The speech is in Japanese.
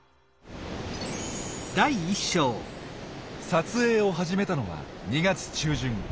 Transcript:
撮影を始めたのは２月中旬。